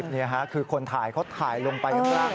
นี่ค่ะคือคนถ่ายเขาถ่ายลงไปข้างล่าง